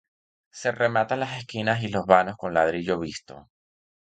Se rematan las esquinas y los vanos con ladrillo visto.